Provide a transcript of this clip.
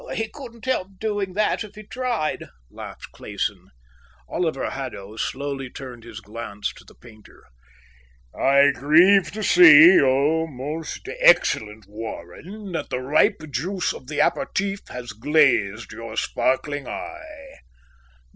"He couldn't help doing that if he tried," laughed Clayson. Oliver Haddo slowly turned his glance to the painter. "I grieve to see, O most excellent Warren, that the ripe juice of the aperitif has glazed your sparkling eye."